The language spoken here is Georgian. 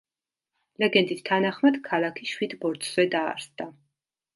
ლეგენდის თანახმად, ქალაქი შვიდ ბორცვზე დაარსდა.